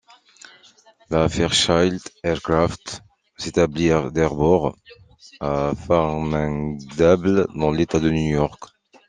La Fairchild Aircraft s'établit d'abord à Farmingdale, dans l'État de New York.